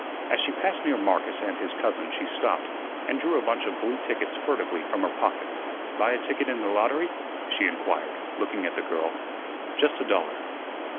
As she passed near Marcus and his cousin she stopped, and drew a bunch of blue tickets furtively from her pocket. "Buy a ticket in the lottery?" she inquired, looking at the girl. "Just a dollar."